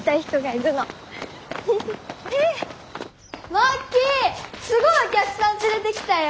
マッキーすごいお客さん連れてきたよ。